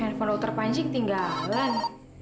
handphone dokter panji ketinggalan